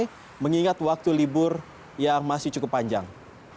tapi mengingat waktu libur yang masih cukup panjang